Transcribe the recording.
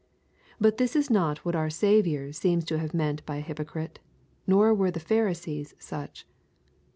But this is not what our Saviour seems to have meant by a hypocrite; nor were the Pharisees such.